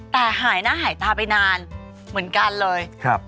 แต่หายหน้าหายตาไปนานเหมือนกันเลย